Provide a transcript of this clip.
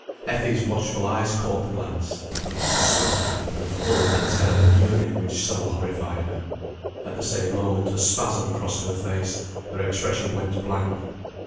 Effie's watchful eyes caught the glance. It was swift, and full of the terrible yearning which so horrified her. At the same moment a spasm crossed her face, her expression went blank.